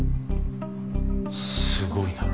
すごいな。